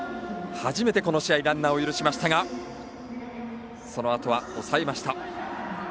初めてこの試合ランナーを許しましたがそのあとは抑えました。